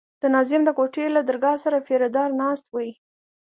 د ناظم د کوټې له درګاه سره پيره دار ناست وي.